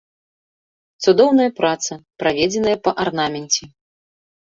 Цудоўная праца, праведзеная па арнаменце.